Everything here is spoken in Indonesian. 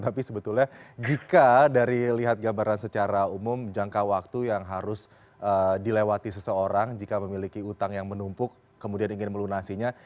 tapi sebetulnya jika dari lihat gambaran secara umum jangka waktu yang harus dilewati seseorang jika memiliki utang yang menumpuk kemudian ingin melunasinya